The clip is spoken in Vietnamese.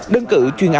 đơn cựu chuyên án